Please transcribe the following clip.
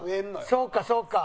そうかそうか。